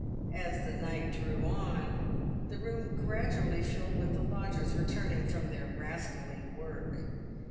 As the night drew on, the room gradually filled with the lodgers returning from their rascally work.